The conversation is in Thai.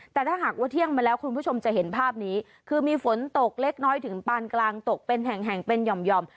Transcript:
แต่ถ้าหากว่าเที่ยงมาแล้วคุณผู้ชมจะเห็นภาพนี้คือมีฝนตกเล็กน้อยถึงปานกลางตกเป็นแห่งแห่งเป็นห่อม